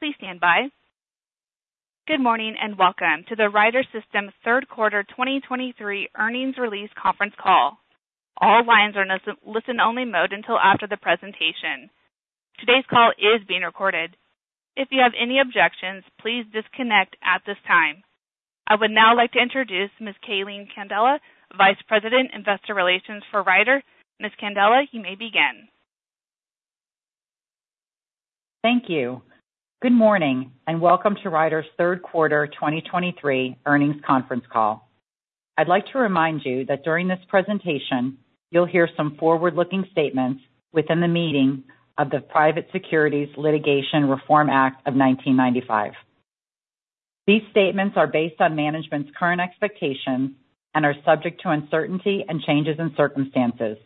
Please stand by. Good morning, and welcome to the Ryder System third quarter 2023 earnings release conference call. All lines are in listen-only mode until after the presentation. Today's call is being recorded. If you have any objections, please disconnect at this time. I would now like to introduce Ms. Calene Candela, Vice President, Investor Relations for Ryder. Ms. Candela, you may begin. Thank you. Good morning, and welcome to Ryder's Third Quarter 2023 Earnings Conference Call. I'd like to remind you that during this presentation, you'll hear some forward-looking statements within the meaning of the Private Securities Litigation Reform Act of 1995. These statements are based on management's current expectations and are subject to uncertainty and changes in circumstances.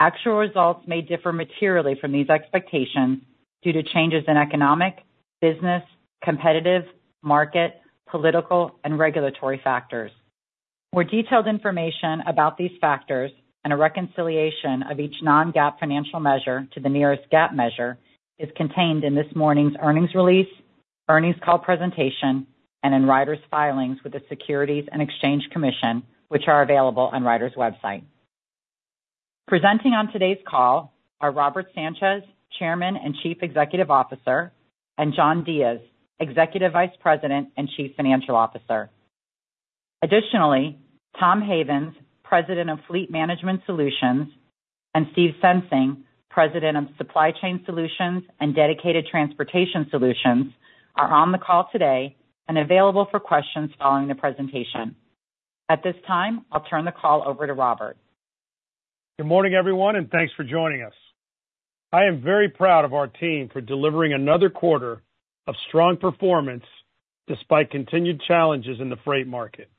Actual results may differ materially from these expectations due to changes in economic, business, competitive, market, political, and regulatory factors. More detailed information about these factors and a reconciliation of each non-GAAP financial measure to the nearest GAAP measure is contained in this morning's earnings release, earnings call presentation, and in Ryder's filings with the Securities and Exchange Commission, which are available on Ryder's website. Presenting on today's call are Robert Sanchez, Chairman and Chief Executive Officer, and John Diez, Executive Vice President and Chief Financial Officer. Additionally, Tom Havens, President of Fleet Management Solutions, and Steve Sensing, President of Supply Chain Solutions and Dedicated Transportation Solutions, are on the call today and available for questions following the presentation. At this time, I'll turn the call over to Robert. Good morning, everyone, and thanks for joining us. I am very proud of our team for delivering another quarter of strong performance despite continued challenges in the freight market.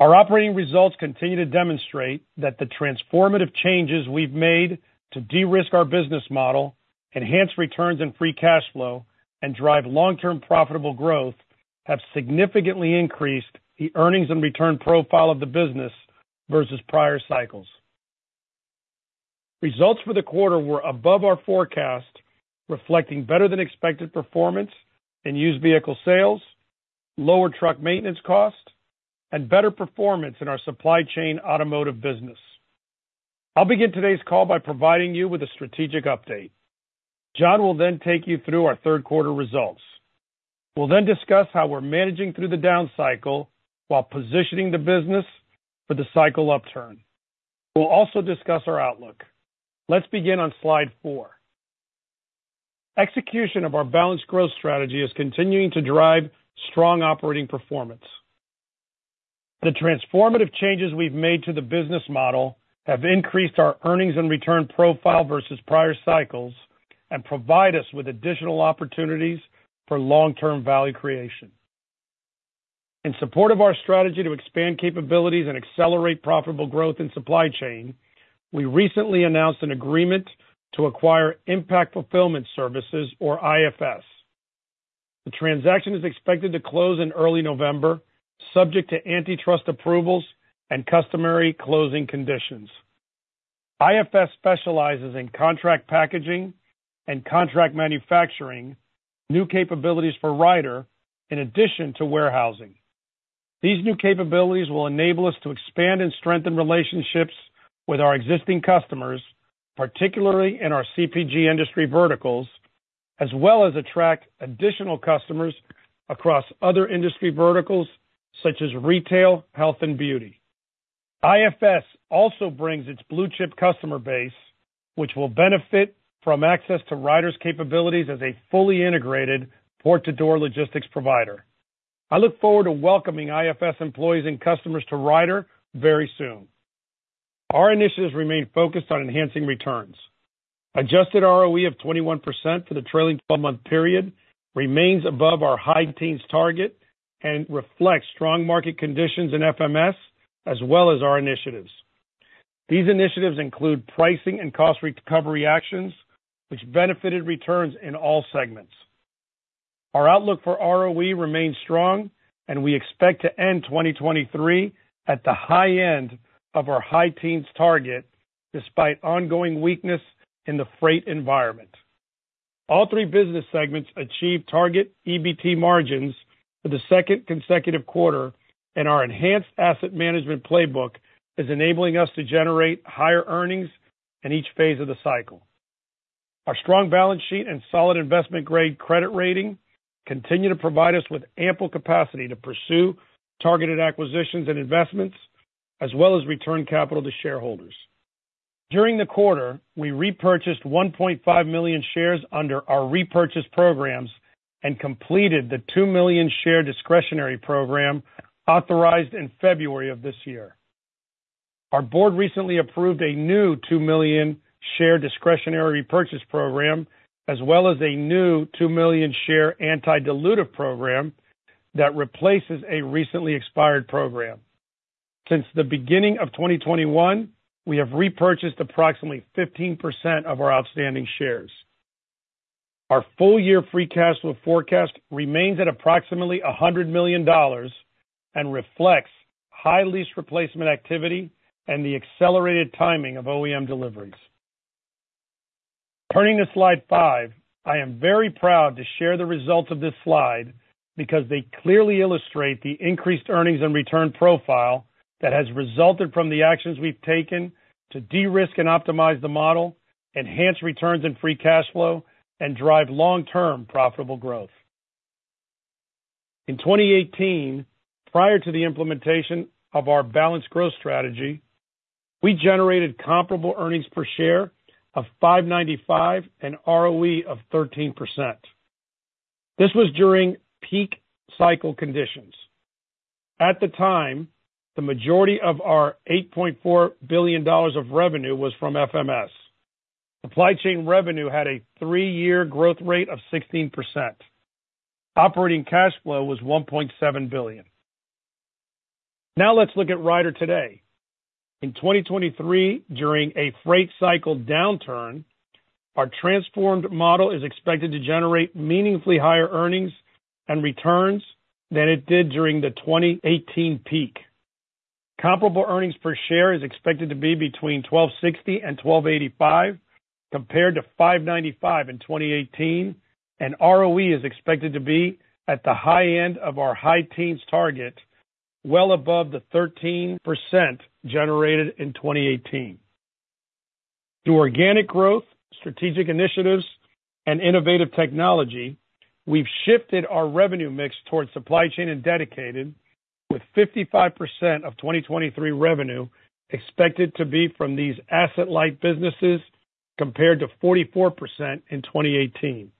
Our operating results continue to demonstrate that the transformative changes we've made to de-risk our business model, enhance returns and free cash flow, and drive long-term profitable growth, have significantly increased the earnings and return profile of the business versus prior cycles. Results for the quarter were above our forecast, reflecting better than expected performance in used vehicle sales, lower truck maintenance costs, and better performance in our supply chain automotive business. I'll begin today's call by providing you with a strategic update. John will then take you through our third quarter results. We'll then discuss how we're managing through the down cycle while positioning the business for the cycle upturn. We'll also discuss our outlook. Let's begin on slide four. Execution of our balanced growth strategy is continuing to drive strong operating performance. The transformative changes we've made to the business model have increased our earnings and return profile versus prior cycles and provide us with additional opportunities for long-term value creation. In support of our strategy to expand capabilities and accelerate profitable growth in supply chain, we recently announced an agreement to acquire Impact Fulfillment Services or IFS. The transaction is expected to close in early November, subject to antitrust approvals and customary closing conditions. IFS specializes in contract packaging and contract manufacturing, new capabilities for Ryder in addition to warehousing. These new capabilities will enable us to expand and strengthen relationships with our existing customers, particularly in our CPG industry verticals, as well as attract additional customers across other industry verticals such as retail, health, and beauty. IFS also brings its blue-chip customer base, which will benefit from access to Ryder's capabilities as a fully integrated port-to-door logistics provider. I look forward to welcoming IFS employees and customers to Ryder very soon. Our initiatives remain focused on enhancing returns. Adjusted ROE of 21% for the trailing 12 month period remains above our high teens target and reflects strong market conditions in FMS as well as our initiatives. These initiatives include pricing and cost recovery actions, which benefited returns in all segments. Our outlook for ROE remains strong, and we expect to end 2023 at the high end of our high teens target, despite ongoing weakness in the freight environment. All three business segments achieved target EBT margins for the second consecutive quarter, and our enhanced asset management playbook is enabling us to generate higher earnings in each phase of the cycle. Our strong balance sheet and solid investment-grade credit rating continue to provide us with ample capacity to pursue targeted acquisitions and investments, as well as return capital to shareholders. During the quarter, we repurchased 1.5 million shares under our repurchase programs and completed the 2 million share discretionary program authorized in February of this year. Our board recently approved a new 2 million share discretionary repurchase program, as well as a new 2 million share anti-dilutive program that replaces a recently expired program. Since the beginning of 2021, we have repurchased approximately 15% of our outstanding shares. Our full-year free cash flow forecast remains at approximately $100 million, and reflects high lease replacement activity and the accelerated timing of OEM deliveries. Turning to slide five, I am very proud to share the results of this slide because they clearly illustrate the increased earnings and return profile that has resulted from the actions we've taken to de-risk and optimize the model, enhance returns and free cash flow, and drive long-term profitable growth. In 2018, prior to the implementation of our balanced growth strategy, we generated comparable earnings per share of $5.95 and ROE of 13%. This was during peak cycle conditions. At the time, the majority of our $8.4 billion of revenue was from FMS. Supply chain revenue had a three year growth rate of 16%. Operating cash flow was $1.7 billion. Now let's look at Ryder today. In 2023, during a freight cycle downturn, our transformed model is expected to generate meaningfully higher earnings and returns than it did during the 2018 peak. Comparable EPS is expected to be between $12.60 and $12.85, compared to $5.95 in 2018, and ROE is expected to be at the high end of our high teens target, well above the 13% generated in 2018. Through organic growth, strategic initiatives, and innovative technology, we've shifted our revenue mix towards supply chain and dedicated, with 55% of 2023 revenue expected to be from these asset-light businesses, compared to 44% in 2018.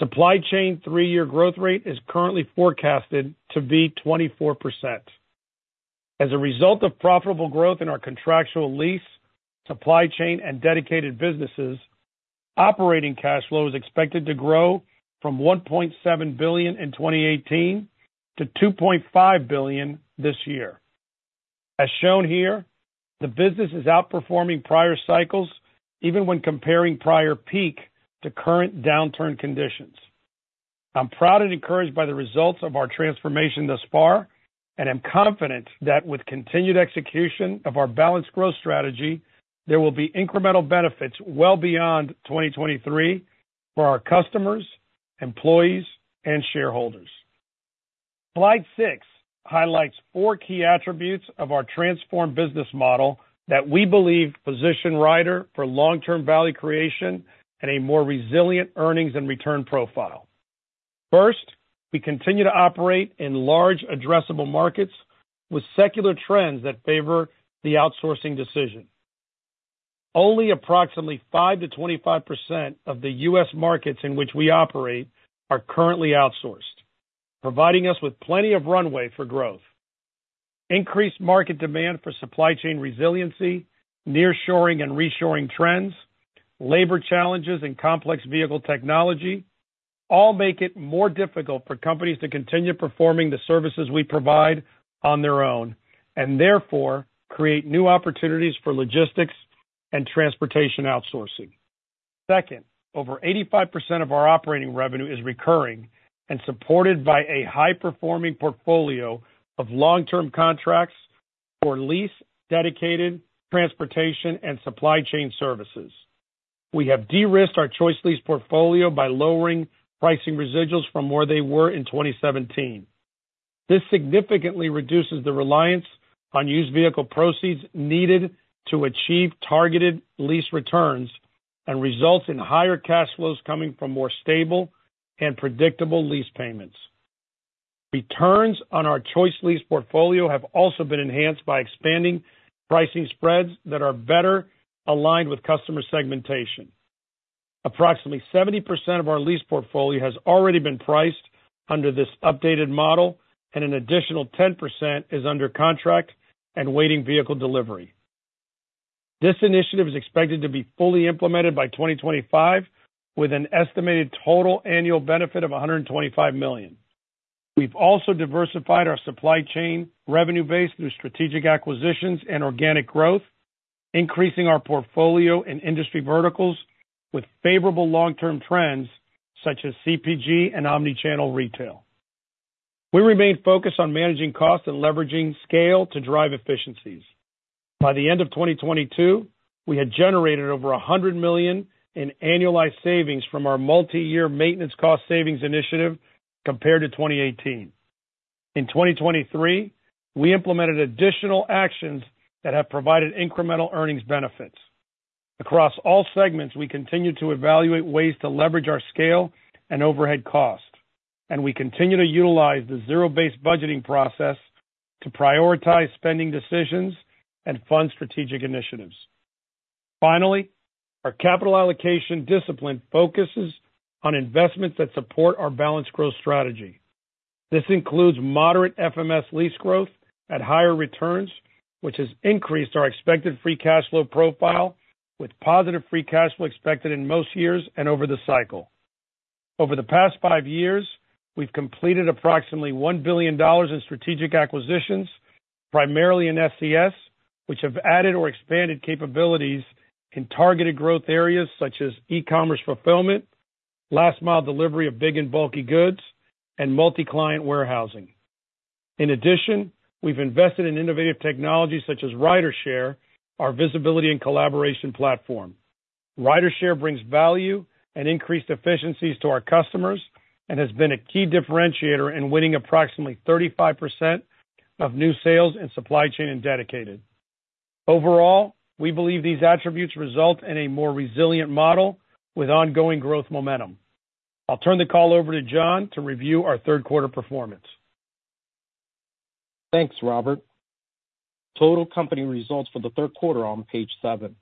Supply chain three-year growth rate is currently forecasted to be 24%. As a result of profitable growth in our contractual lease, supply chain, and dedicated businesses, operating cash flow is expected to grow from $1.7 billion in 2018 to $2.5 billion this year. As shown here, the business is outperforming prior cycles, even when comparing prior peak to current downturn conditions. I'm proud and encouraged by the results of our transformation thus far, and I'm confident that with continued execution of our balanced growth strategy, there will be incremental benefits well beyond 2023 for our customers, employees, and shareholders. Slide six highlights four key attributes of our transformed business model that we believe position Ryder for long-term value creation and a more resilient earnings and return profile. First, we continue to operate in large addressable markets with secular trends that favor the outsourcing decision. Only approximately 5%-25% of the U.S. markets in which we operate are currently outsourced, providing us with plenty of runway for growth. Increased market demand for supply chain resiliency, nearshoring and reshoring trends, labor challenges, and complex vehicle technology all make it more difficult for companies to continue performing the services we provide on their own, and therefore, create new opportunities for logistics and transportation outsourcing. Second, over 85% of our operating revenue is recurring and supported by a high-performing portfolio of long-term contracts for lease, dedicated, transportation, and supply chain services. We have de-risked our ChoiceLease portfolio by lowering pricing residuals from where they were in 2017. This significantly reduces the reliance on used vehicle proceeds needed to achieve targeted lease returns and results in higher cash flows coming from more stable and predictable lease payments. Returns on our ChoiceLease portfolio have also been enhanced by expanding pricing spreads that are better aligned with customer segmentation. Approximately 70% of our lease portfolio has already been priced under this updated model, and an additional 10% is under contract and waiting vehicle delivery. This initiative is expected to be fully implemented by 2025, with an estimated total annual benefit of $125 million. We've also diversified our supply chain revenue base through strategic acquisitions and organic growth, increasing our portfolio and industry verticals with favorable long-term trends such as CPG and omnichannel retail. We remain focused on managing costs and leveraging scale to drive efficiencies. By the end of 2022, we had generated over $100 million in annualized savings from our multiyear maintenance cost savings initiative compared to 2018. In 2023, we implemented additional actions that have provided incremental earnings benefits. Across all segments, we continue to evaluate ways to leverage our scale and overhead costs, and we continue to utilize the zero-based budgeting process to prioritize spending decisions and fund strategic initiatives. Finally, our capital allocation discipline focuses on investments that support our balanced growth strategy. This includes moderate FMS lease growth at higher returns, which has increased our expected free cash flow profile, with positive free cash flow expected in most years and over the cycle. Over the past five years, we've completed approximately $1 billion in strategic acquisitions, primarily in SCS, which have added or expanded capabilities in targeted growth areas such as e-commerce fulfillment, last mile delivery of big and bulky goods, and multi-client warehousing. In addition, we've invested in innovative technologies such as RyderShare, our visibility and collaboration platform. RyderShare brings value and increased efficiencies to our customers and has been a key differentiator in winning approximately 35% of new sales in Supply Chain and Dedicated. Overall, we believe these attributes result in a more resilient model with ongoing growth momentum. I'll turn the call over to John to review our third quarter performance. Thanks, Robert. Total company results for the third quarter are on page seven.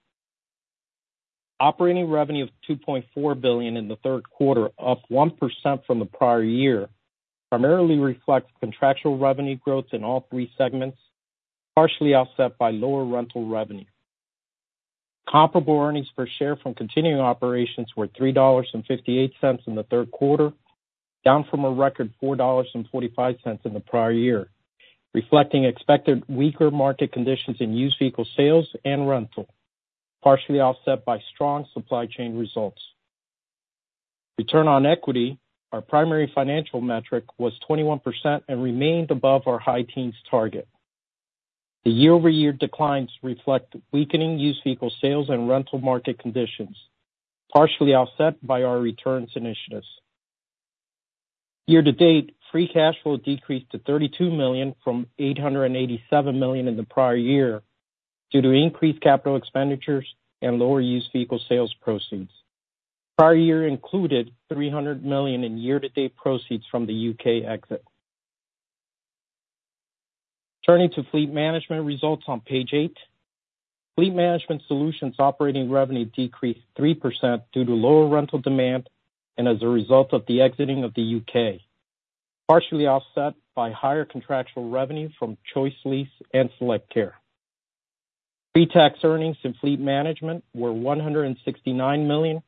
Operating revenue of $2.4 billion in the third quarter, up 1% from the prior year, primarily reflects contractual revenue growth in all three segments, partially offset by lower rental revenue. Comparable earnings per share from continuing operations were $3.58 in the third quarter, down from a record $4.45 in the prior year, reflecting expected weaker market conditions in used vehicle sales and rental, partially offset by strong supply chain results. Return on equity, our primary financial metric, was 21% and remained above our high teens target. The year-over-year declines reflect weakening used vehicle sales and rental market conditions, partially offset by our returns initiatives. Year-to-date, free cash flow decreased to $32 million from $887 million in the prior year due to increased capital expenditures and lower used vehicle sales proceeds. Prior year included $300 million in year-to-date proceeds from the U.K. exit. Turning to fleet management results on page eight. Fleet Management Solutions operating revenue decreased 3% due to lower rental demand and as a result of the exiting of the U.K., partially offset by higher contractual revenue from ChoiceLease and SelectCare. Pre-tax earnings in fleet management were $169 million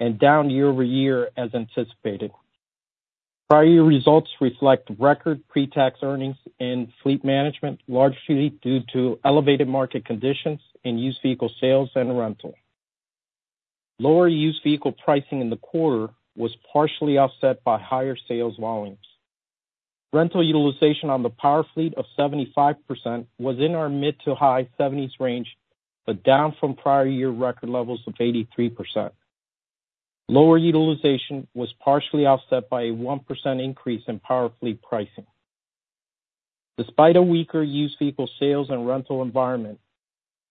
and down year-over-year as anticipated. Prior year results reflect record pre-tax earnings in fleet management, largely due to elevated market conditions in used vehicle sales and rental. Lower used vehicle pricing in the quarter was partially offset by higher sales volumes. Rental utilization on the power fleet of 75% was in our mid- to high-70s range, but down from prior year record levels of 83%. Lower utilization was partially offset by a 1% increase in power fleet pricing. Despite a weaker used vehicle sales and rental environment,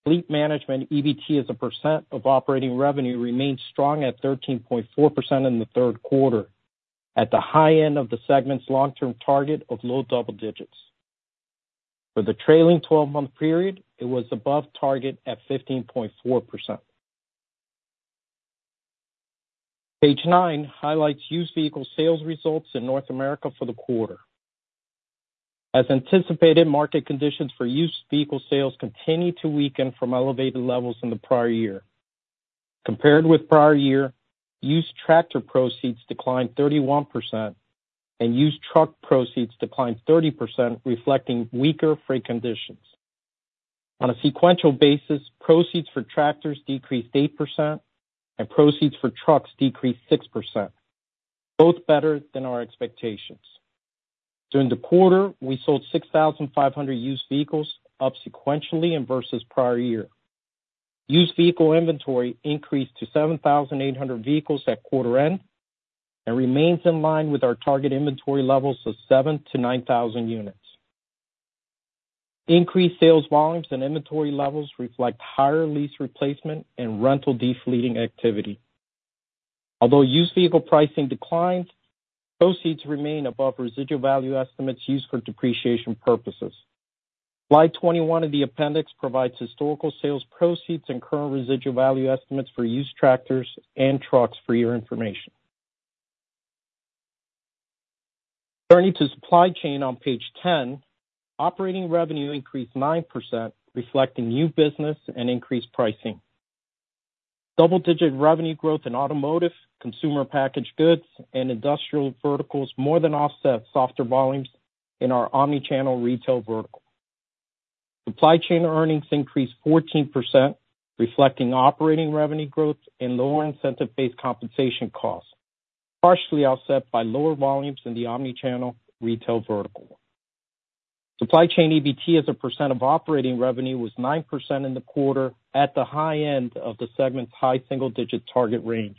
fleet management EBT as a percent of operating revenue remained strong at 13.4% in the third quarter, at the high end of the segment's long-term target of low double digits. For the trailing 12 month period, it was above target at 15.4%. Page nine highlights used vehicle sales results in North America for the quarter. As anticipated, market conditions for used vehicle sales continued to weaken from elevated levels in the prior year. Compared with prior year, used tractor proceeds declined 31%, and used truck proceeds declined 30%, reflecting weaker freight conditions. On a sequential basis, proceeds for tractors decreased 8%, and proceeds for trucks decreased 6%, both better than our expectations. During the quarter, we sold 6,500 used vehicles, up sequentially and versus prior year. Used vehicle inventory increased to 7,800 vehicles at quarter end and remains in line with our target inventory levels of 7,000-9,000 units. Increased sales volumes and inventory levels reflect higher lease replacement and rental de-fleeting activity. Although used vehicle pricing declined, proceeds remain above residual value estimates used for depreciation purposes. Slide 21 in the appendix provides historical sales proceeds and current residual value estimates for used tractors and trucks for your information. Turning to Supply Chain on page 10, operating revenue increased 9%, reflecting new business and increased pricing. Double-digit revenue growth in automotive, consumer packaged goods, and industrial verticals more than offset softer volumes in our omnichannel retail vertical. Supply Chain earnings increased 14%, reflecting operating revenue growth and lower incentive-based compensation costs, partially offset by lower volumes in the omnichannel retail vertical. Supply Chain EBT as a percent of operating revenue was 9% in the quarter, at the high end of the segment's high single-digit target range.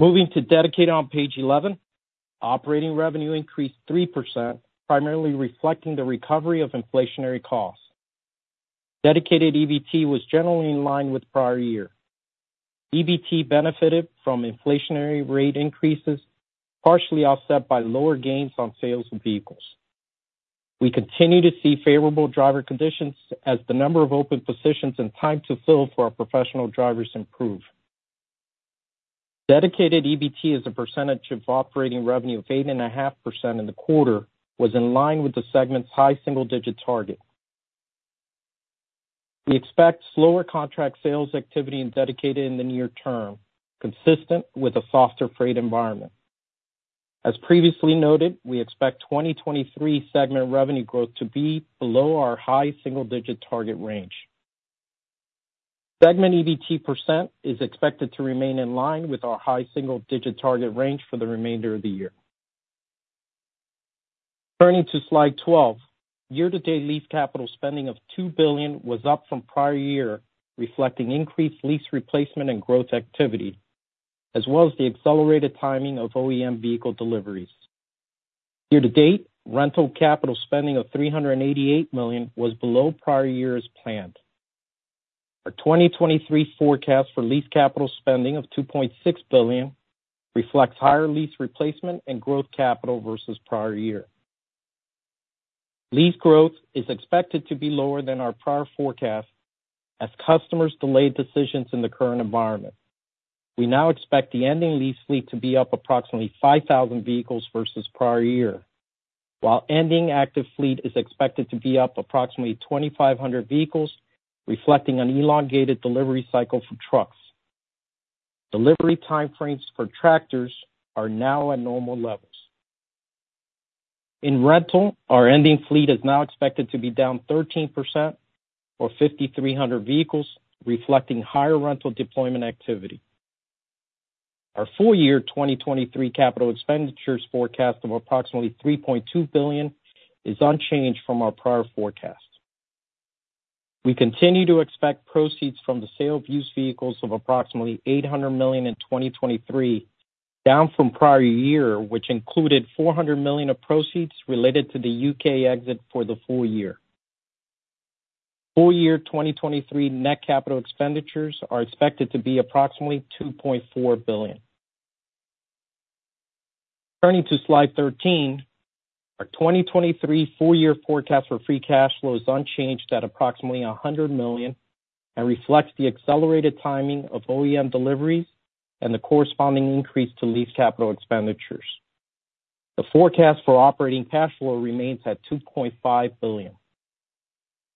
Moving to Dedicated on page 11, operating revenue increased 3%, primarily reflecting the recovery of inflationary costs. Dedicated EBT was generally in line with prior year. EBT benefited from inflationary rate increases, partially offset by lower gains on sales of vehicles. We continue to see favorable driver conditions as the number of open positions and time to fill for our professional drivers improve. Dedicated EBT as a percentage of operating revenue of 8.5% in the quarter, was in line with the segment's high single-digit target. We expect slower contract sales activity in Dedicated in the near term, consistent with a softer freight environment. As previously noted, we expect 2023 segment revenue growth to be below our high single-digit target range. Segment EBT % is expected to remain in line with our high single-digit target range for the remainder of the year. Turning to Slide 12, year-to-date lease capital spending of $2 billion was up from prior year, reflecting increased lease replacement and growth activity, as well as the accelerated timing of OEM vehicle deliveries. Year-to-date, rental capital spending of $388 million was below prior year's planned. Our 2023 forecast for lease capital spending of $2.6 billion reflects higher lease replacement and growth capital versus prior year. Lease growth is expected to be lower than our prior forecast as customers delayed decisions in the current environment. We now expect the ending lease fleet to be up approximately 5,000 vehicles versus prior year, while ending active fleet is expected to be up approximately 2,500 vehicles, reflecting an elongated delivery cycle for trucks. Delivery time frames for tractors are now at normal levels. In rental, our ending fleet is now expected to be down 13% or 5,300 vehicles, reflecting higher rental deployment activity. Our full year 2023 capital expenditures forecast of approximately $3.2 billion is unchanged from our prior forecast. We continue to expect proceeds from the sale of used vehicles of approximately $800 million in 2023, down from prior year, which included $400 million of proceeds related to the U.K. exit for the full year. Full year 2023 net capital expenditures are expected to be approximately $2.4 billion. Turning to Slide 13, our 2023 full year forecast for free cash flow is unchanged at approximately $100 million and reflects the accelerated timing of OEM deliveries and the corresponding increase to lease capital expenditures. The forecast for operating cash flow remains at $2.5 billion.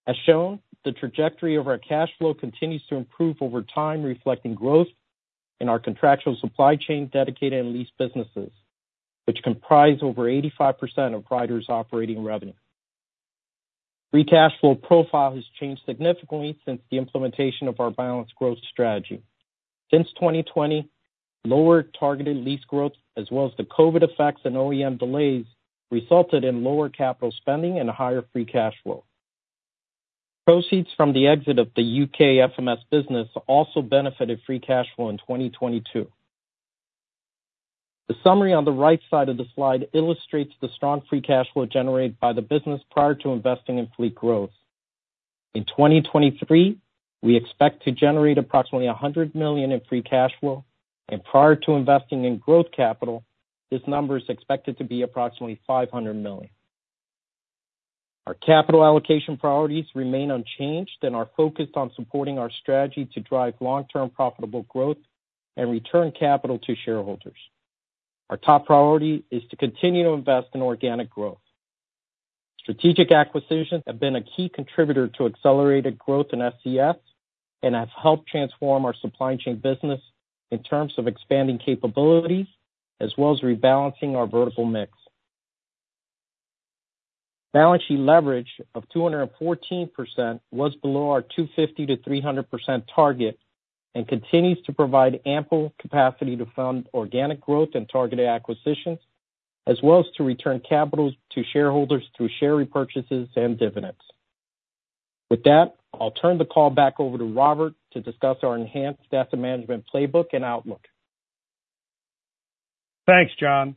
As shown, the trajectory of our cash flow continues to improve over time, reflecting growth in our contractual supply chain, dedicated and lease businesses, which comprise over 85% of Ryder's operating revenue. Free cash flow profile has changed significantly since the implementation of our balanced growth strategy. Since 2020, lower targeted lease growth, as well as the COVID effects and OEM delays, resulted in lower capital spending and higher free cash flow. Proceeds from the exit of the U.K. FMS business also benefited free cash flow in 2022. The summary on the right side of the slide illustrates the strong free cash flow generated by the business prior to investing in fleet growth. In 2023, we expect to generate approximately $100 million in free cash flow, and prior to investing in growth capital, this number is expected to be approximately $500 million. Our capital allocation priorities remain unchanged and are focused on supporting our strategy to drive long-term profitable growth and return capital to shareholders. Our top priority is to continue to invest in organic growth. Strategic acquisitions have been a key contributor to accelerated growth in SCS and have helped transform our supply chain business in terms of expanding capabilities as well as rebalancing our vertical mix. Balance sheet leverage of 214% was below our 250%-300% target and continues to provide ample capacity to fund organic growth and targeted acquisitions, as well as to return capital to shareholders through share repurchases and dividends. With that, I'll turn the call back over to Robert to discuss our enhanced asset management playbook and outlook. Thanks, John.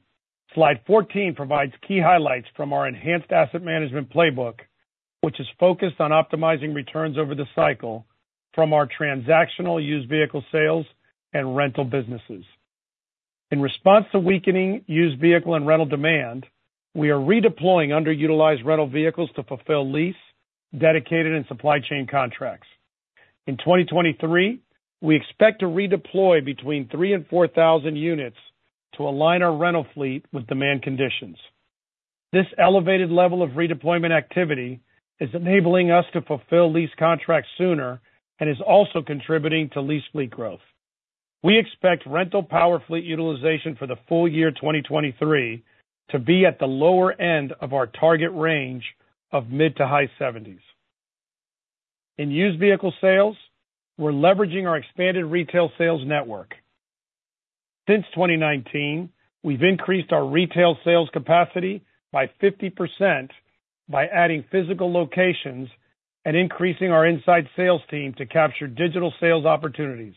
Slide 14 provides key highlights from our enhanced asset management playbook, which is focused on optimizing returns over the cycle from our transactional used vehicle sales and rental businesses. In response to weakening used vehicle and rental demand, we are redeploying underutilized rental vehicles to fulfill lease, dedicated, and supply chain contracts. In 2023, we expect to redeploy between 3,000 and 4,000 units to align our rental fleet with demand conditions. This elevated level of redeployment activity is enabling us to fulfill lease contracts sooner and is also contributing to lease fleet growth. We expect rental power fleet utilization for the full year 2023 to be at the lower end of our target range of mid- to high 70s. In used vehicle sales, we're leveraging our expanded retail sales network. Since 2019, we've increased our retail sales capacity by 50% by adding physical locations and increasing our inside sales team to capture digital sales opportunities.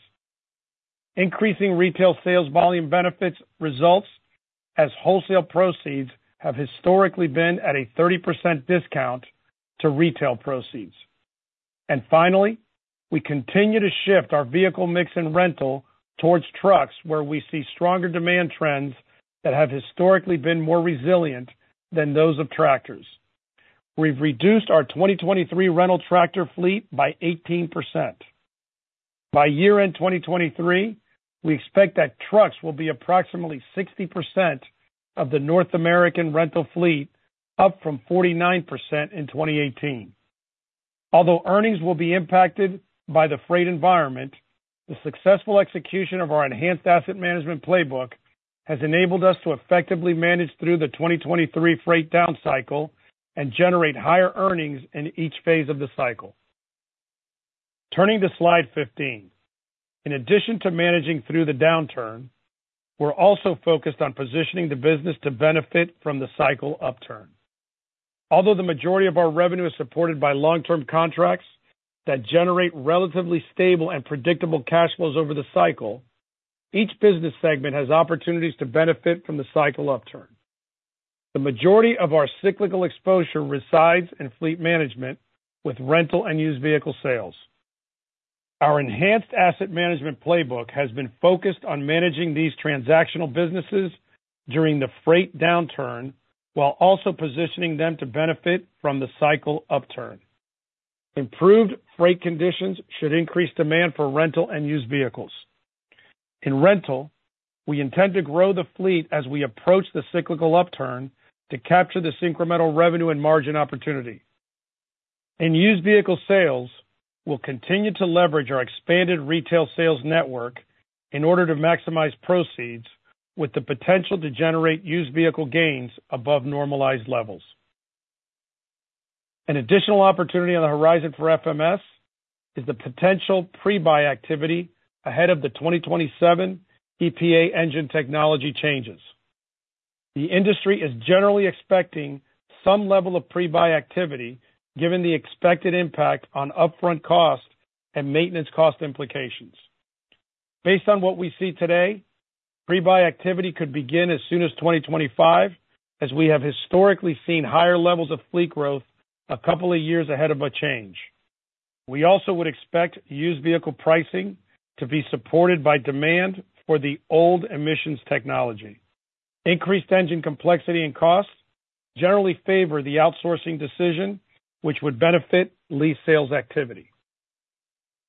Increasing retail sales volume benefits results as wholesale proceeds have historically been at a 30% discount to retail proceeds. And finally, we continue to shift our vehicle mix and rental towards trucks, where we see stronger demand trends that have historically been more resilient than those of tractors. We've reduced our 2023 rental tractor fleet by 18%. By year-end 2023, we expect that trucks will be approximately 60% of the North American rental fleet, up from 49% in 2018.... Although earnings will be impacted by the freight environment, the successful execution of our enhanced asset management playbook has enabled us to effectively manage through the 2023 freight down cycle and generate higher earnings in each phase of the cycle. Turning to slide 15. In addition to managing through the downturn, we're also focused on positioning the business to benefit from the cycle upturn. Although the majority of our revenue is supported by long-term contracts that generate relatively stable and predictable cash flows over the cycle, each business segment has opportunities to benefit from the cycle upturn. The majority of our cyclical exposure resides in fleet management with rental and used vehicle sales. Our enhanced asset management playbook has been focused on managing these transactional businesses during the freight downturn, while also positioning them to benefit from the cycle upturn. Improved freight conditions should increase demand for rental and used vehicles. In rental, we intend to grow the fleet as we approach the cyclical upturn to capture this incremental revenue and margin opportunity. In used vehicle sales, we'll continue to leverage our expanded retail sales network in order to maximize proceeds, with the potential to generate used vehicle gains above normalized levels. An additional opportunity on the horizon for FMS is the potential pre-buy activity ahead of the 2027 EPA engine technology changes. The industry is generally expecting some level of pre-buy activity, given the expected impact on upfront costs and maintenance cost implications. Based on what we see today, pre-buy activity could begin as soon as 2025, as we have historically seen higher levels of fleet growth a couple of years ahead of a change. We also would expect used vehicle pricing to be supported by demand for the old emissions technology. Increased engine complexity and costs generally favor the outsourcing decision, which would benefit lease sales activity.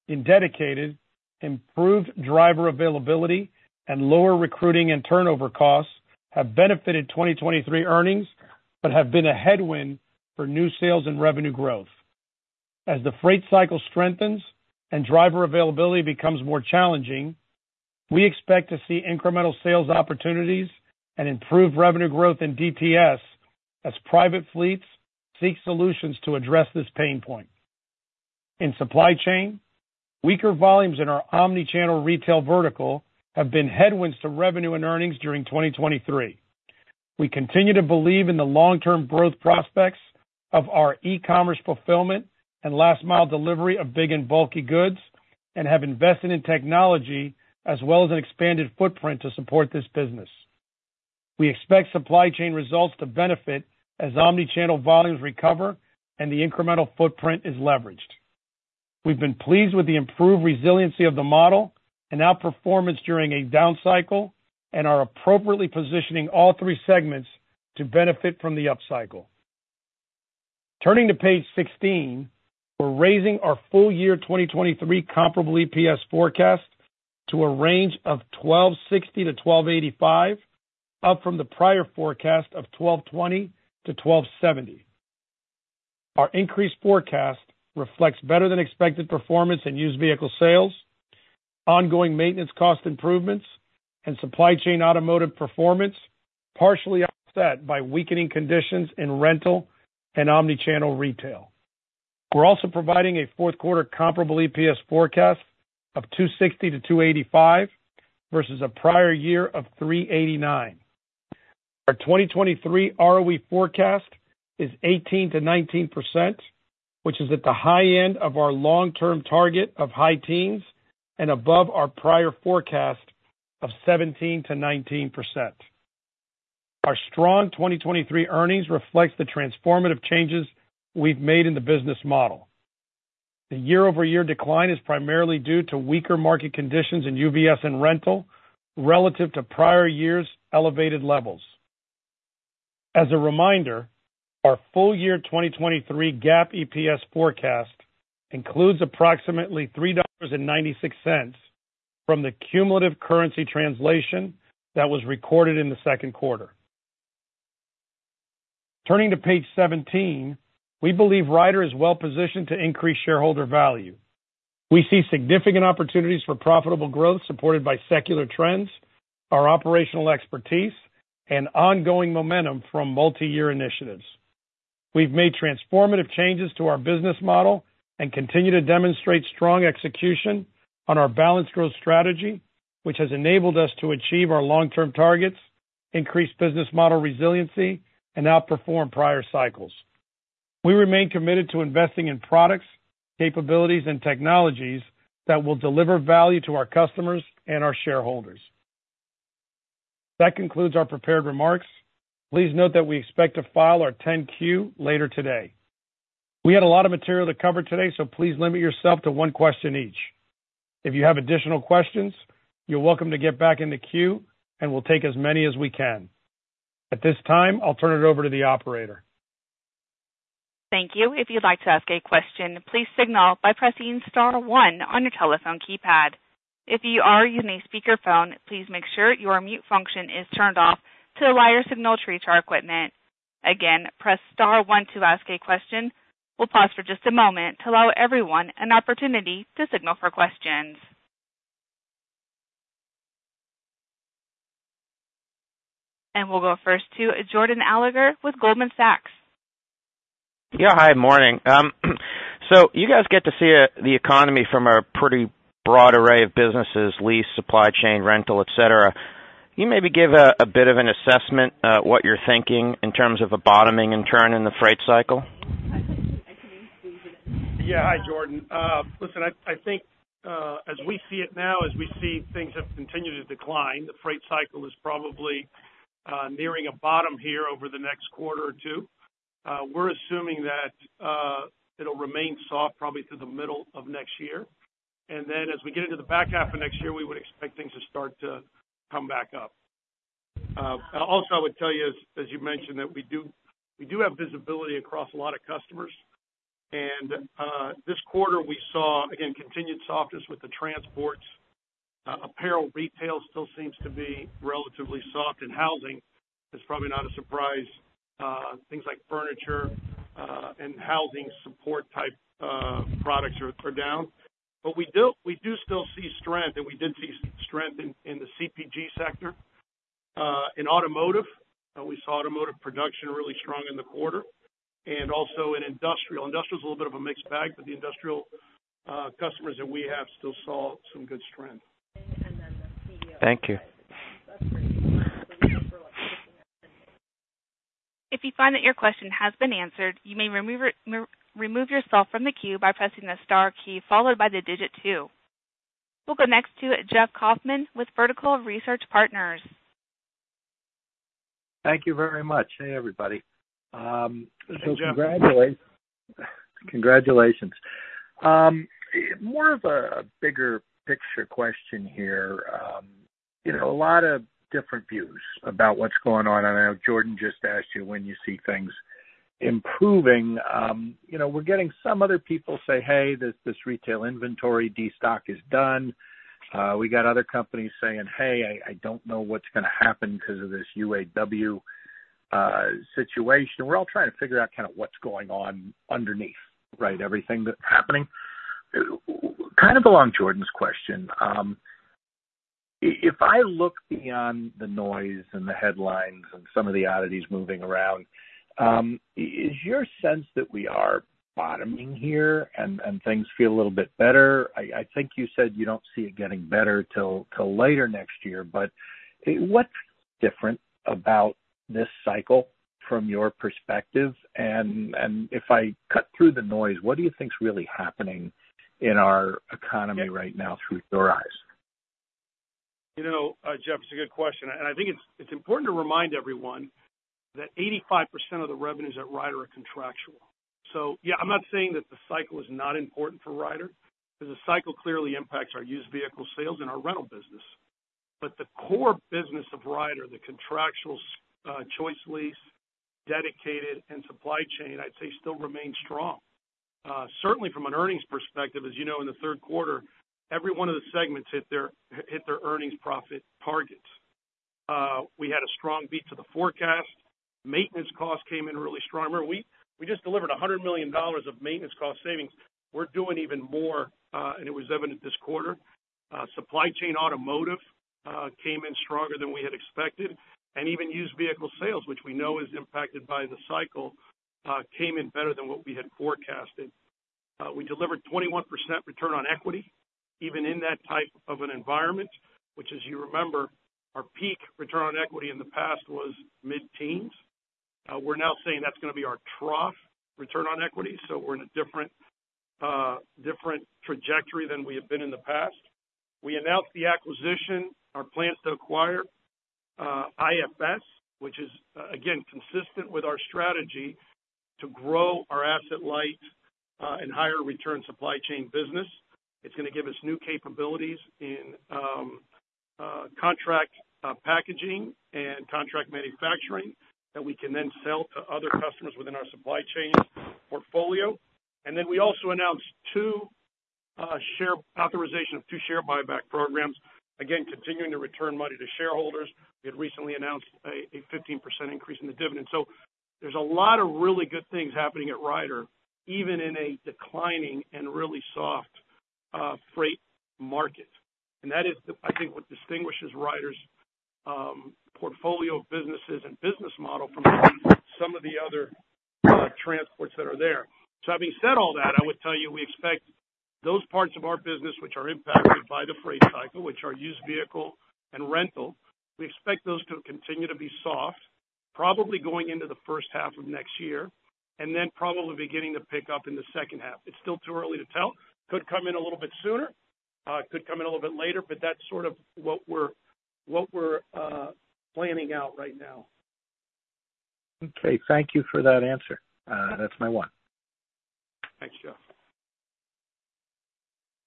In Dedicated, improved driver availability and lower recruiting and turnover costs have benefited 2023 earnings, but have been a headwind for new sales and revenue growth. As the freight cycle strengthens and driver availability becomes more challenging, we expect to see incremental sales opportunities and improved revenue growth in DTS as private fleets seek solutions to address this pain point. In Supply Chain, weaker volumes in our omnichannel retail vertical have been headwinds to revenue and earnings during 2023. We continue to believe in the long-term growth prospects of our e-commerce fulfillment and last mile delivery of big and bulky goods, and have invested in technology as well as an expanded footprint to support this business. We expect supply chain results to benefit as omnichannel volumes recover and the incremental footprint is leveraged. We've been pleased with the improved resiliency of the model and outperformance during a down cycle, and are appropriately positioning all three segments to benefit from the upcycle. Turning to page 16, we're raising our full-year 2023 comparable EPS forecast to a range of $12.60-$12.85, up from the prior forecast of $12.20-$12.70. Our increased forecast reflects better than expected performance in used vehicle sales, ongoing maintenance cost improvements, and supply chain automotive performance, partially offset by weakening conditions in rental and omnichannel retail. We're also providing a fourth quarter comparable EPS forecast of $2.60-$2.85 versus a prior year of $3.89. Our 2023 ROE forecast is 18%-19%, which is at the high end of our long-term target of high teens and above our prior forecast of 17%-19%. Our strong 2023 earnings reflects the transformative changes we've made in the business model. The year-over-year decline is primarily due to weaker market conditions in UVS and rental relative to prior years' elevated levels. As a reminder, our full year 2023 GAAP EPS forecast includes approximately $3.96 from the cumulative currency translation that was recorded in the second quarter. Turning to page 17, we believe Ryder is well positioned to increase shareholder value. We see significant opportunities for profitable growth supported by secular trends, our operational expertise, and ongoing momentum from multiyear initiatives. We've made transformative changes to our business model and continue to demonstrate strong execution on our balanced growth strategy, which has enabled us to achieve our long-term targets, increase business model resiliency, and outperform prior cycles. We remain committed to investing in products, capabilities, and technologies that will deliver value to our customers and our shareholders. That concludes our prepared remarks. Please note that we expect to file our 10-Q later today. We had a lot of material to cover today, so please limit yourself to one question each. If you have additional questions, you're welcome to get back in the queue, and we'll take as many as we can. At this time, I'll turn it over to the operator. Thank you. If you'd like to ask a question, please signal by pressing star one on your telephone keypad... If you are using a speakerphone, please make sure your mute function is turned off to allow your signal to reach our equipment. Again, press star one to ask a question. We'll pause for just a moment to allow everyone an opportunity to signal for questions. We'll go first to Jordan Alliger with Goldman Sachs. Yeah, hi, morning. So you guys get to see the economy from a pretty broad array of businesses, lease, supply chain, rental, et cetera. Can you maybe give a bit of an assessment, what you're thinking in terms of a bottoming and turn in the freight cycle? Yeah. Hi, Jordan. Listen, I think, as we see it now, as we see things have continued to decline, the freight cycle is probably nearing a bottom here over the next quarter or two. We're assuming that, it'll remain soft probably through the middle of next year, and then as we get into the back half of next year, we would expect things to start to come back up. Also, I would tell you, as you mentioned, that we do, we do have visibility across a lot of customers. And this quarter we saw, again, continued softness with the transports. Apparel, retail still seems to be relatively soft, and housing is probably not a surprise. Things like furniture, and housing support type products are down. But we do still see strength, and we did see strength in the CPG sector. In automotive, we saw automotive production really strong in the quarter and also in industrial. Industrial is a little bit of a mixed bag, but the industrial customers that we have still saw some good strength. Thank you. If you find that your question has been answered, you may remove yourself from the queue by pressing the star key, followed by the digit two. We'll go next to Jeff Kaufman with Vertical Research Partners. Thank you very much. Hey, everybody. Hey, Jeff. So congratulations. More of a bigger picture question here. You know, a lot of different views about what's going on, and I know Jordan just asked you when you see things improving. You know, we're getting some other people say, "Hey, this, this retail inventory, destock is done." We got other companies saying, "Hey, I, I don't know what's gonna happen because of this UAW situation." We're all trying to figure out kind of what's going on underneath, right, everything that's happening. Kind of along Jordan's question, if I look beyond the noise and the headlines and some of the oddities moving around, is your sense that we are bottoming here and things feel a little bit better? I think you said you don't see it getting better till later next year. But what's different about this cycle from your perspective? And, if I cut through the noise, what do you think is really happening in our economy right now through your eyes? You know, Jeff, it's a good question, and I think it's important to remind everyone that 85% of the revenues at Ryder are contractual. So yeah, I'm not saying that the cycle is not important for Ryder, because the cycle clearly impacts our used vehicle sales and our rental business. But the core business of Ryder, the contractual, choice lease, dedicated, and supply chain, I'd say, still remains strong. Certainly from an earnings perspective, as you know, in the third quarter, every one of the segments hit their earnings profit targets. We had a strong beat to the forecast. Maintenance costs came in really strong. Remember, we just delivered $100 million of maintenance cost savings. We're doing even more, and it was evident this quarter. Supply chain automotive came in stronger than we had expected, and even used vehicle sales, which we know is impacted by the cycle, came in better than what we had forecasted. We delivered 21% return on equity, even in that type of an environment, which, as you remember, our peak return on equity in the past was mid-teens. We're now saying that's gonna be our trough return on equity, so we're in a different trajectory than we have been in the past. We announced the acquisition, our plans to acquire IFS, which is, again, consistent with our strategy to grow our asset light and higher return supply chain business. It's gonna give us new capabilities in contract packaging and contract manufacturing that we can then sell to other customers within our supply chain portfolio. And then we also announced authorization of two share buyback programs. Again, continuing to return money to shareholders. We had recently announced a 15% increase in the dividend. So there's a lot of really good things happening at Ryder, even in a declining and really soft freight market. And that is, I think, what distinguishes Ryder's portfolio of businesses and business model from some of the other transports that are there. So having said all that, I would tell you, we expect those parts of our business which are impacted by the freight cycle, which are used vehicle and rental, we expect those to continue to be soft, probably going into the first half of next year, and then probably beginning to pick up in the second half. It's still too early to tell. Could come in a little bit sooner, could come in a little bit later, but that's sort of what we're planning out right now. Okay. Thank you for that answer. That's my one. Thanks, Jeff.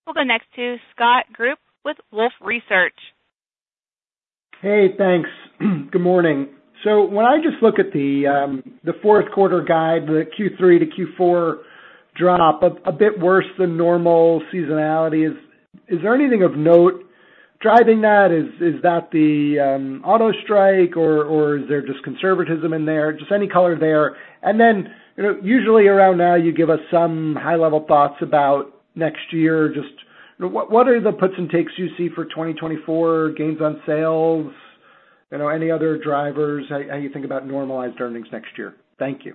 We'll go next to Scott Group with Wolfe Research. Hey, thanks. Good morning. So when I just look at the fourth quarter guide, the Q3-Q4 drop, a bit worse than normal seasonality, is there anything of note driving that? Is that the auto strike or is there just conservatism in there? Just any color there. And then, you know, usually around now, you give us some high-level thoughts about next year. Just what are the puts and takes you see for 2024? Gains on sales, you know, any other drivers, how you think about normalized earnings next year? Thank you.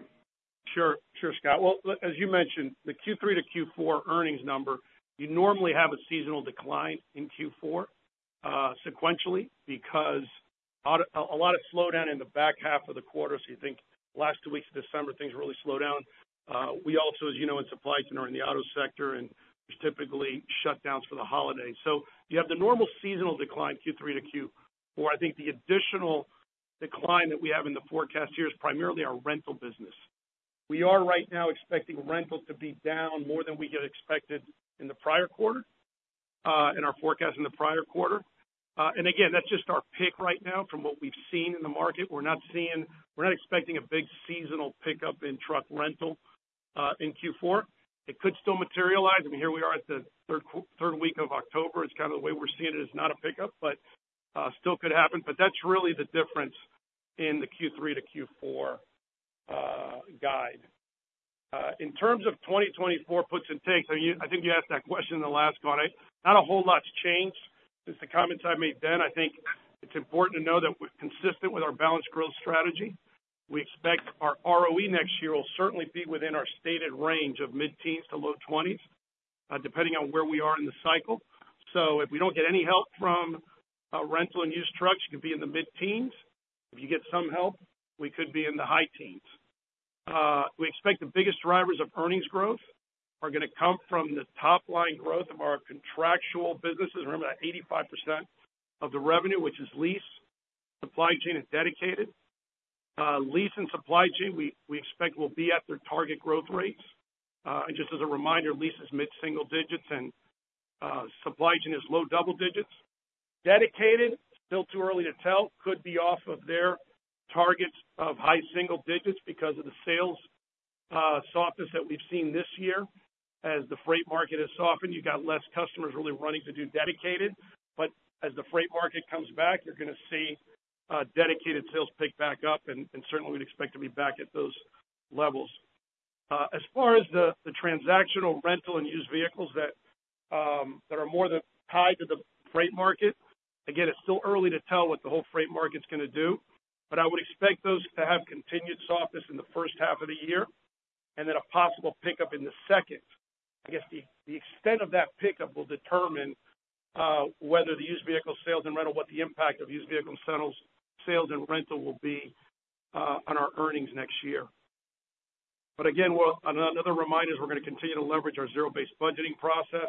Sure. Sure, Scott. Well, as you mentioned, the Q3-Q4 earnings number, you normally have a seasonal decline in Q4, sequentially, because a lot of slowdown in the back half of the quarter. So you think last two weeks of December, things really slow down. We also, as you know, in supply chain, are in the auto sector, and there's typically shutdowns for the holiday. So you have the normal seasonal decline, Q3-Q4. I think the additional decline that we have in the forecast here is primarily our rental business. We are right now expecting rental to be down more than we had expected in the prior quarter, in our forecast in the prior quarter. And again, that's just our pick right now from what we've seen in the market. We're not seeing we're not expecting a big seasonal pickup in truck rental in Q4. It could still materialize. I mean, here we are at the third week of October. It's kind of the way we're seeing it, is not a pickup, but still could happen. But that's really the difference in the Q3-Q4 guide. In terms of 2024 puts and takes, I think you asked that question in the last call. I. Not a whole lot's changed since the comments I made then. I think it's important to know that we're consistent with our balanced growth strategy. We expect our ROE next year will certainly be within our stated range of mid-teens to low twenties, depending on where we are in the cycle. So if we don't get any help from rental and used trucks, it could be in the mid-teens. If you get some help, we could be in the high teens. We expect the biggest drivers of earnings growth are going to come from the top-line growth of our contractual businesses. Remember, that 85% of the revenue, which is lease, supply chain, and dedicated. Lease and supply chain, we expect will be at their target growth rates. And just as a reminder, lease is mid-single digits, and supply chain is low double digits. Dedicated, still too early to tell. Could be off of their targets of high single digits because of the sales softness that we've seen this year. As the freight market has softened, you've got less customers really running to do dedicated. But as the freight market comes back, you're going to see, dedicated sales pick back up, and certainly we'd expect to be back at those levels. As far as the, the transactional rental and used vehicles that, that are more than tied to the freight market, again, it's still early to tell what the whole freight market's going to do, but I would expect those to have continued softness in the first half of the year and then a possible pickup in the second. I guess the, the extent of that pickup will determine, whether the used vehicle sales and rental, what the impact of used vehicle settles, sales and rental will be, on our earnings next year. But again, well, another reminder is we're going to continue to leverage our zero-based budgeting process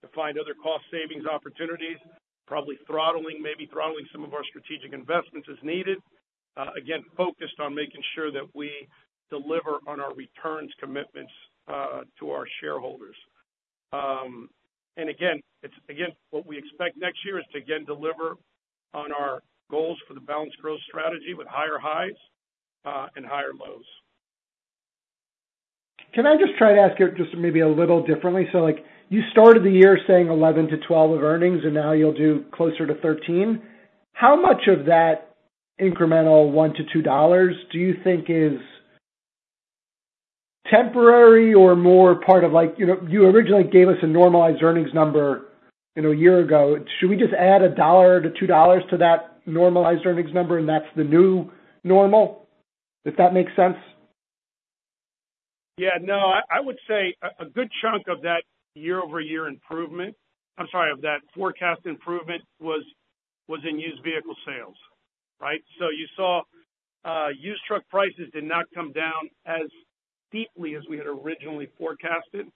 to find other cost savings opportunities, probably throttling, maybe throttling some of our strategic investments as needed. Again, focused on making sure that we deliver on our returns commitments to our shareholders. And again, it's again, what we expect next year is to again deliver on our goals for the balanced growth strategy with higher highs and higher lows. Can I just try to ask you just maybe a little differently? So, like, you started the year saying 11-12 of earnings, and now you'll do closer to 13. How much of that incremental $1-$2 do you think is temporary or more part of, like, you know—You originally gave us a normalized earnings number, you know, a year ago. Should we just add $1-$2 to that normalized earnings number, and that's the new normal? If that makes sense. Yeah, no, I would say a good chunk of that year-over-year improvement... I'm sorry, of that forecast improvement was in used vehicle sales, right? So you saw, used truck prices did not come down as deeply as we had originally forecasted,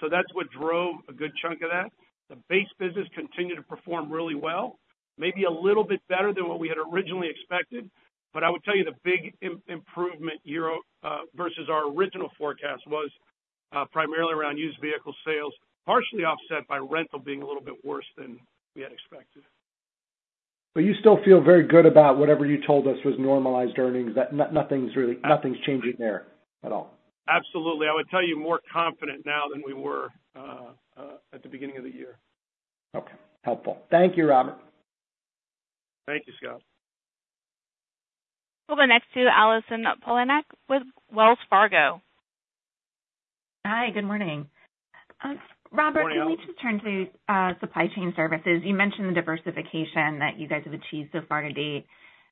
so that's what drove a good chunk of that. The base business continued to perform really well, maybe a little bit better than what we had originally expected, but I would tell you the big improvement year-over versus our original forecast was primarily around used vehicle sales, partially offset by rental being a little bit worse than we had expected. But you still feel very good about whatever you told us was normalized earnings, that nothing's really changing there at all? Absolutely. I would tell you, more confident now than we were at the beginning of the year. Okay. Helpful. Thank you, Robert. Thank you, Scott. We'll go next to Allison Poliniak with Wells Fargo. Hi, good morning. Good morning. Robert, can we just turn to supply chain services? You mentioned the diversification that you guys have achieved so far to date.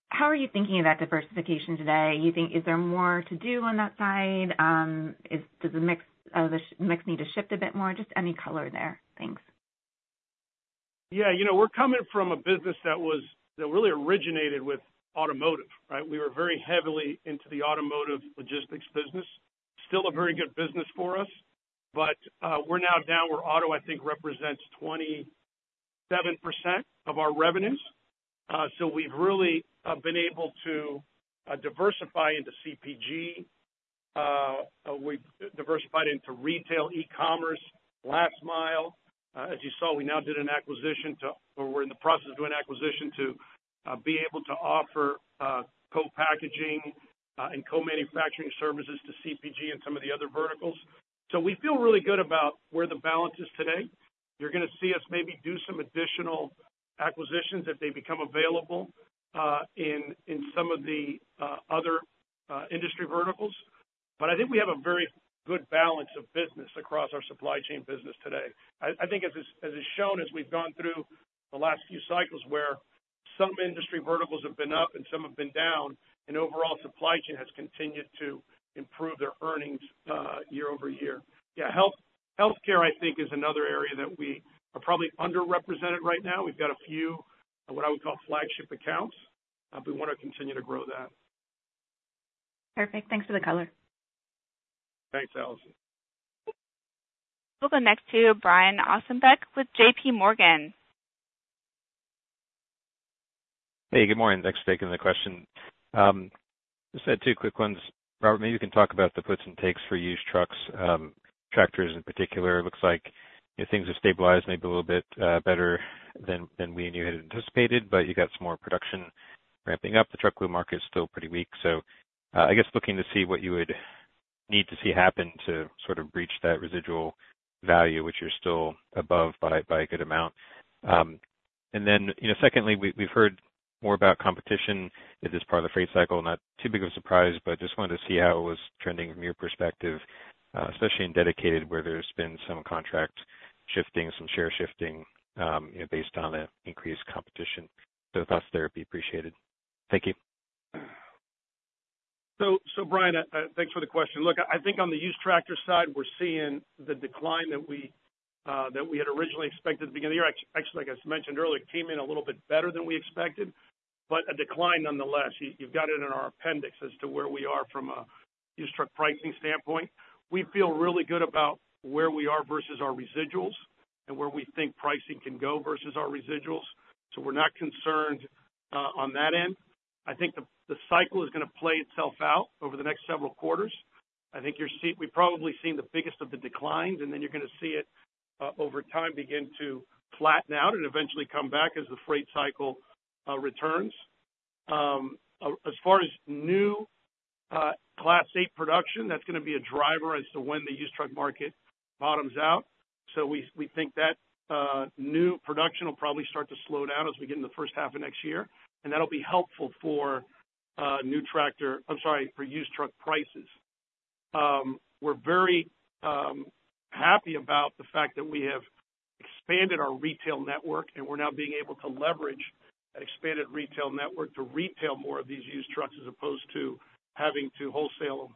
How are you thinking about diversification today? You think, is there more to do on that side? Does the mix of the mix need to shift a bit more? Just any color there. Thanks. Yeah, you know, we're coming from a business that was that really originated with automotive, right? We were very heavily into the automotive logistics business. Still a very good business for us, but we're now down where auto, I think, represents 27% of our revenues. So we've really been able to diversify into CPG. We diversified into retail e-commerce, last mile. As you saw, we now did an acquisition to, or we're in the process of doing an acquisition to, be able to offer co-packaging and co-manufacturing services to CPG and some of the other verticals. So we feel really good about where the balance is today. You're going to see us maybe do some additional acquisitions if they become available in some of the other industry verticals. But I think we have a very good balance of business across our supply chain business today. I think as is shown, as we've gone through the last few cycles, where some industry verticals have been up and some have been down, and overall supply chain has continued to improve their earnings year over year. Yeah, healthcare, I think, is another area that we are probably underrepresented right now. We've got a few, what I would call flagship accounts. We want to continue to grow that. Perfect. Thanks for the color. Thanks, Allison. We'll go next to Brian Ossenbeck with J.P. Morgan. Hey, good morning. Thanks for taking the question. Just had two quick ones. Robert, maybe you can talk about the puts and takes for used trucks, tractors in particular. It looks like if things have stabilized, maybe a little bit better than we and you had anticipated, but you got some more production ramping up. The truck wholesale market is still pretty weak, so I guess looking to see what you would need to see happen to sort of reach that residual value, which you're still above by a good amount. And then, you know, secondly, we've heard more about competition at this part of the freight cycle. Not too big of a surprise, but just wanted to see how it was trending from your perspective, especially in dedicated, where there's been some contract shifting, some share shifting, you know, based on the increased competition. So thoughts there would be appreciated. Thank you. So, Brian, thanks for the question. Look, I think on the used tractor side, we're seeing the decline that we that we had originally expected at the beginning of the year. Actually, like I mentioned earlier, it came in a little bit better than we expected, but a decline nonetheless. You've got it in our appendix as to where we are from a used truck pricing standpoint. We feel really good about where we are versus our residuals and where we think pricing can go versus our residuals, so we're not concerned on that end. I think the cycle is going to play itself out over the next several quarters. I think we've probably seen the biggest of the declines, and then you're going to see it, over time, begin to flatten out and eventually come back as the freight cycle returns. As far as new Class Eight production, that's going to be a driver as to when the used truck market bottoms out. So we think that new production will probably start to slow down as we get in the first half of next year, and that'll be helpful for new tractor—I'm sorry, for used truck prices. We're very happy about the fact that we have expanded our retail network, and we're now being able to leverage that expanded retail network to retail more of these used trucks as opposed to having to wholesale them.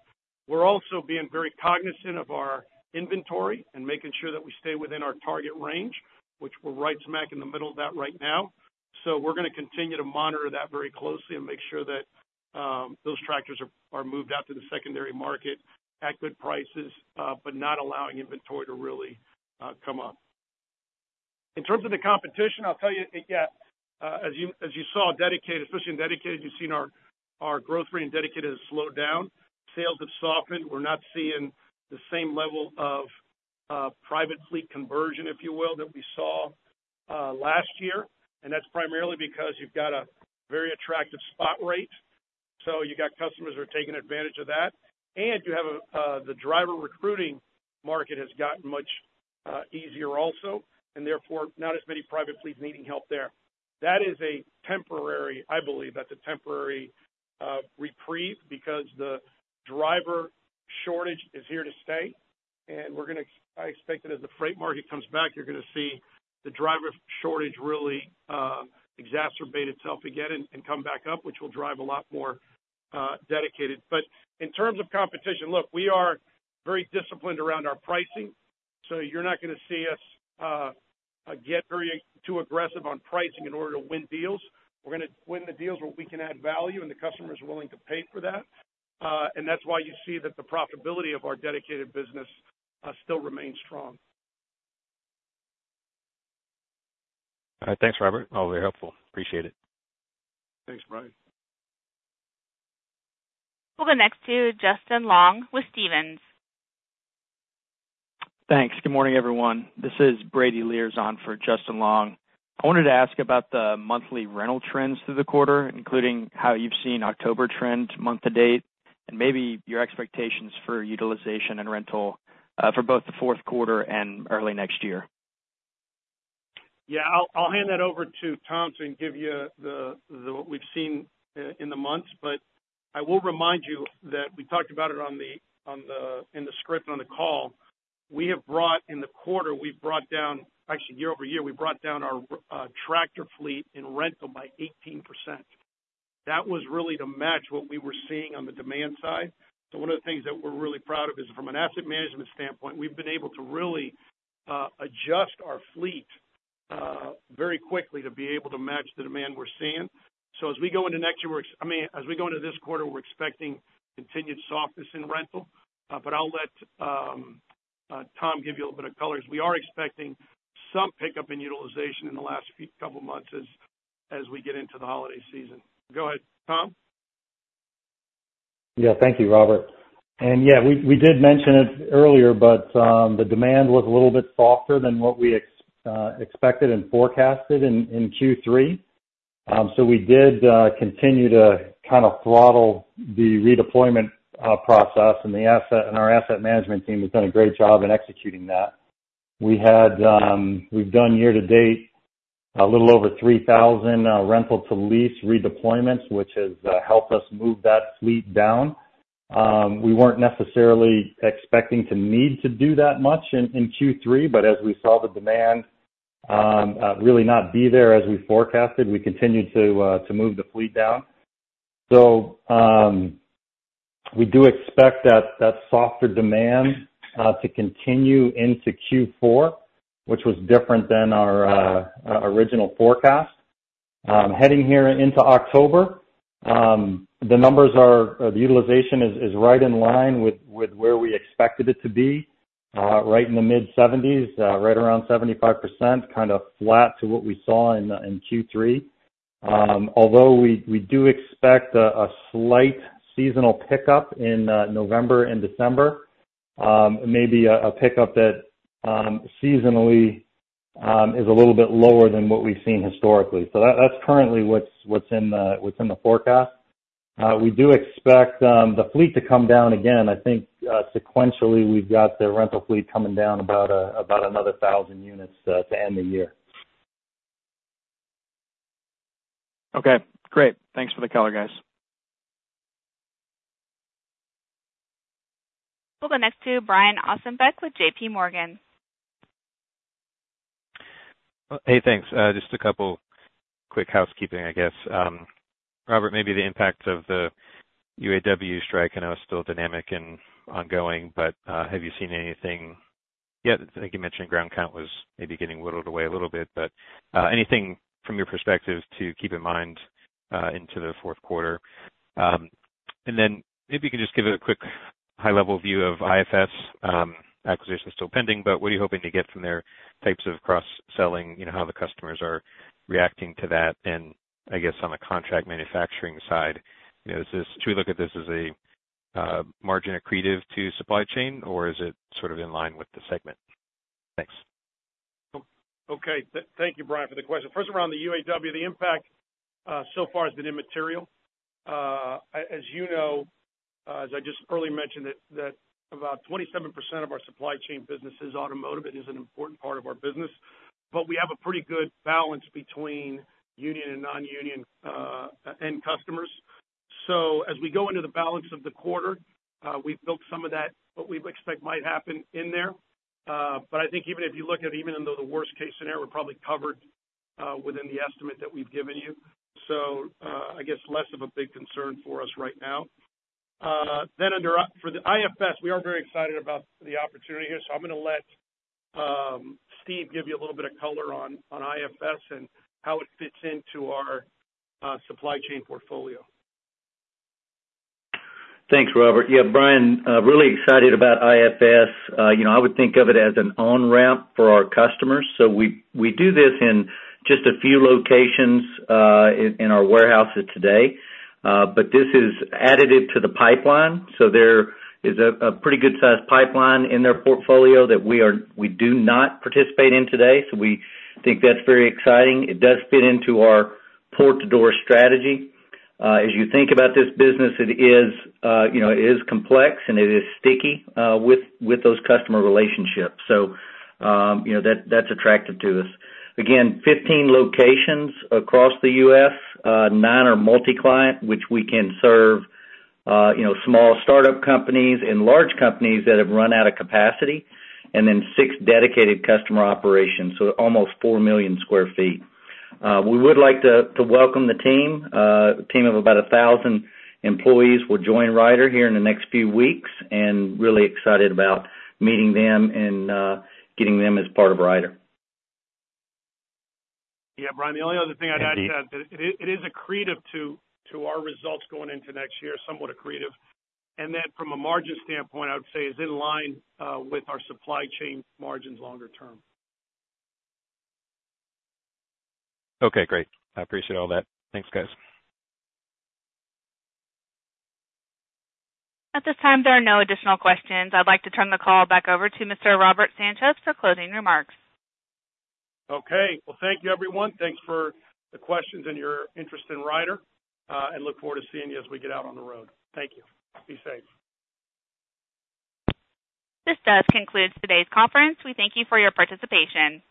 We're also being very cognizant of our inventory and making sure that we stay within our target range, which we're right smack in the middle of that right now. So we're going to continue to monitor that very closely and make sure that those tractors are moved out to the secondary market at good prices, but not allowing inventory to really come up. In terms of the competition, I'll tell you, yeah, as you saw, dedicated, especially in dedicated, you've seen our growth rate in dedicated has slowed down. Sales have softened. We're not seeing the same level of private fleet conversion, if you will, that we saw last year, and that's primarily because you've got a very attractive spot rate, so you got customers who are taking advantage of that. You have the driver recruiting market has gotten much easier also, and therefore, not as many private fleets needing help there. That is a temporary, I believe, that's a temporary reprieve because the driver shortage is here to stay, and I expect that as the freight market comes back, you're going to see the driver shortage really exacerbate itself again and come back up, which will drive a lot more dedicated. But in terms of competition, look, we are very disciplined around our pricing, so you're not going to see us get very too aggressive on pricing in order to win deals. We're going to win the deals where we can add value, and the customer is willing to pay for that. That's why you see that the profitability of our dedicated business still remains strong. All right. Thanks, Robert. All very helpful. Appreciate it. Thanks, Brian. We'll go next to Justin Long with Stephens. Thanks. Good morning, everyone. This is Brady Lierz on for Justin Long. I wanted to ask about the monthly rental trends through the quarter, including how you've seen October trends month to date, and maybe your expectations for utilization and rental for both the fourth quarter and early next year? Yeah, I'll hand that over to Tom to give you what we've seen in the months. But I will remind you that we talked about it on the, in the script, on the call. We have brought in the quarter, we've brought down... Actually, year-over-year, we brought down our tractor fleet in rental by 18%. That was really to match what we were seeing on the demand side. So one of the things that we're really proud of is, from an asset management standpoint, we've been able to really adjust our fleet very quickly to be able to match the demand we're seeing. So as we go into next year, we're. I mean, as we go into this quarter, we're expecting continued softness in rental, but I'll let Tom give you a little bit of color, as we are expecting some pickup in utilization in the last few couple of months as we get into the holiday season. Go ahead, Tom? Yeah, thank you, Robert. Yeah, we did mention it earlier, but the demand was a little bit softer than what we expected and forecasted in Q3. So we did continue to kind of throttle the redeployment process, and the asset and our asset management team has done a great job in executing that. We've done year to date a little over 3,000 rental to lease redeployments, which has helped us move that fleet down. We weren't necessarily expecting to need to do that much in Q3, but as we saw the demand really not be there as we forecasted, we continued to move the fleet down. So we do expect that softer demand to continue into Q4, which was different than our original forecast. Heading here into October, the numbers are, the utilization is right in line with where we expected it to be, right in the mid-70s, right around 75%, kind of flat to what we saw in Q3. Although we do expect a slight seasonal pickup in November and December, maybe a pickup that seasonally is a little bit lower than what we've seen historically. So that's currently what's in the forecast. We do expect the fleet to come down again. I think sequentially, we've got the rental fleet coming down about another 1,000 units to end the year. Okay, great. Thanks for the color, guys. We'll go next to Brian Ossenbeck with J.P. Morgan. Hey, thanks. Just a couple quick housekeeping, I guess. Robert, maybe the impact of the UAW strike, I know it's still dynamic and ongoing, but, have you seen anything yet? I think you mentioned ground count was maybe getting whittled away a little bit, but, anything from your perspective to keep in mind, into the fourth quarter? And then maybe you can just give a quick high-level view of IFS. Acquisition is still pending, but what are you hoping to get from there? Types of cross-selling, you know, how the customers are reacting to that, and I guess on the contract manufacturing side, you know, is this, should we look at this as a, margin accretive to supply chain, or is it sort of in line with the segment? Thanks. Okay. Thank you, Brian, for the question. First, around the UAW, the impact so far has been immaterial. As you know, as I just earlier mentioned, that about 27% of our supply chain business is automotive. It is an important part of our business, but we have a pretty good balance between union and non-union end customers. So as we go into the balance of the quarter, we've built some of that, what we'd expect might happen in there. But I think even if you look at, even under the worst case scenario, we're probably covered within the estimate that we've given you. So, I guess less of a big concern for us right now. Then under IFS, we are very excited about the opportunity here, so I'm going to let Steve give you a little bit of color on IFS and how it fits into our supply chain portfolio. Thanks, Robert. Yeah, Brian, really excited about IFS. You know, I would think of it as an on-ramp for our customers. So we do this in just a few locations in our warehouses today, but this is additive to the pipeline. So there is a pretty good sized pipeline in their portfolio that we do not participate in today, so we think that's very exciting. It does fit into our port-to-door strategy. As you think about this business, it is, you know, it is complex, and it is sticky with those customer relationships. So, you know, that, that's attractive to us. Again, 15 locations across the U.S. Nine are multi-client, which we can serve, you know, small startup companies and large companies that have run out of capacity, and then six dedicated customer operations, so almost 4 million sq ft. We would like to welcome the team. A team of about 1,000 employees will join Ryder here in the next few weeks, and really excited about meeting them and getting them as part of Ryder. Yeah, Brian, the only other thing I'd add to that, it is accretive to our results going into next year, somewhat accretive. And then from a margin standpoint, I would say is in line with our supply chain margins longer term. Okay, great. I appreciate all that. Thanks, guys. At this time, there are no additional questions. I'd like to turn the call back over to Mr. Robert Sanchez for closing remarks. Okay. Well, thank you, everyone. Thanks for the questions and your interest in Ryder, and look forward to seeing you as we get out on the road. Thank you. Be safe. This does conclude today's conference. We thank you for your participation.